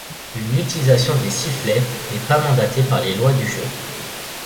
L'utilisation des sifflets n'est pas mandatée par les Lois du Jeu.